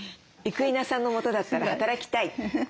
生稲さんのもとだったら働きたい。